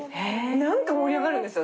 何か盛り上がるんですよ。